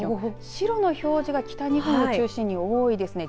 白の表示が北日本を中心に多いですね。